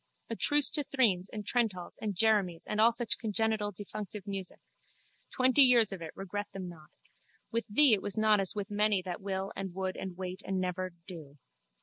A truce to threnes and trentals and jeremies and all such congenital defunctive music! Twenty years of it, regret them not. With thee it was not as with many that will and would and wait and never—do.